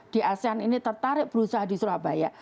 di asean ini tertarik berusaha di surabaya